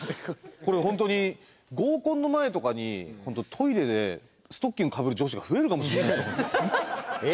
これ本当に合コンの前とかに本当トイレでストッキングかぶる女子が増えるかもしれないですね。